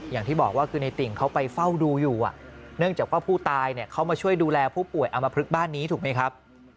อย่างที่บอกว่าคือในติ่งเขาไปเฝ้าดูอยู่เนื่องจากว่าผู้ตายเขามาช่วยดูแลผู้ป่วยอมพลึกบ้านนี้ถูกไหมครับ